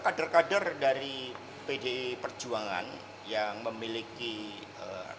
ya kader kader dari pd perjuangan yang memiliki rekam jejak